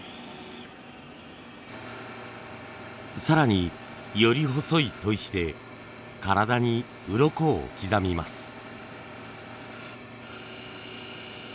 更により細い砥石で体にうろこを刻みます。